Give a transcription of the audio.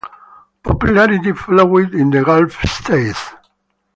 Popularity followed in the Gulf states.